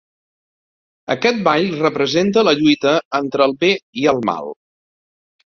Aquest ball representa la lluita entre el bé i el mal.